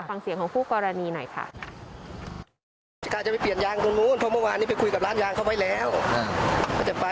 ฟังเสียงของคู่กรณีหน่อยค่ะ